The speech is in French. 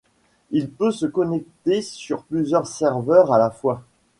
Il peut se connecter sur plusieurs serveurs à la fois.